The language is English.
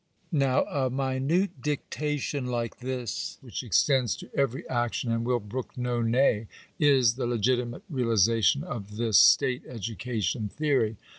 Now a minute dictation like this, which extends to every action, and will brook no nay, is the legitimate realization of this state education theory.